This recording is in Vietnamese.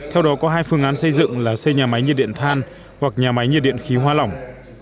theo đó có hai phương án xây dựng là xây nhà máy nhiệt điện than hoặc nhà máy nhiệt điện khí hóa lỏng